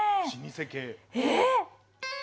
えっ⁉